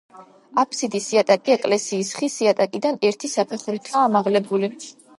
აფსიდის იატაკი ეკლესიის ხის იატაკიდან ერთი საფეხურითაა ამაღლებული.